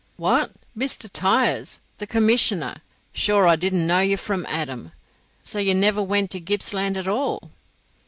"What! Mr. Tyers, the commissioner? Sure I didn't know you from Adam. So ye never went to Gippsland at all?"